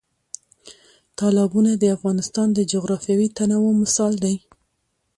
تالابونه د افغانستان د جغرافیوي تنوع مثال دی.